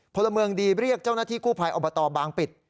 พลเมืองดีเรียกเจ้าหน้าที่กู้ภัยอบตบางปิด